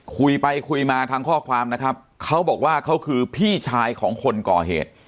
คุยไปคุยมาทางข้อความนะครับเขาบอกว่าเขาคือพี่ชายของคนก่อเหตุ